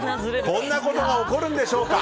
こんなことが起こるんでしょうか。